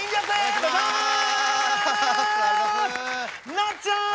なっちゃん！